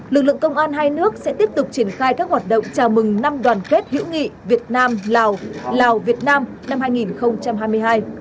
lực lượng công an hai nước sẽ tiếp tục triển khai các hoạt động chào mừng năm đoàn kết hữu nghị việt nam lào lào việt nam năm hai nghìn hai mươi hai